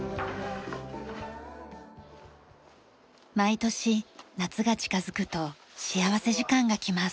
毎年夏が近づくと幸福時間がきます。